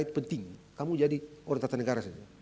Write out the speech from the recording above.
yang penting kamu jadi orang tata negara